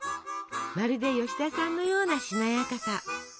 まるで吉田さんのようなしなやかさ。